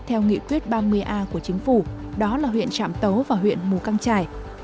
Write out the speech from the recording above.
theo nghị quyết ba mươi a của chính phủ đó là huyện trạm tấu và huyện mù căng trải